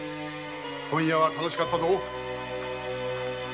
今夜は楽しかったぞ。